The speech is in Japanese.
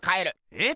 えっ！